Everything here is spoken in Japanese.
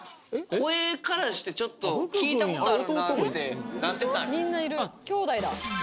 声からしてちょっと聞いたことあるなってなってたんよ